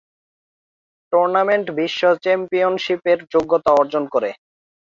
Tournament বিশ্ব চ্যাম্পিয়নশিপের যোগ্যতা অর্জন করে।